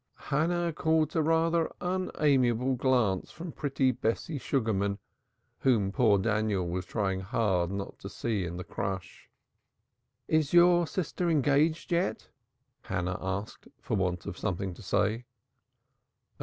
Hannah caught a rather unamiable glance from pretty Bessie Sugarman, whom poor Daniel was trying hard not to see in the crush. "Is your sister engaged yet?" Hannah asked, for want of something to say.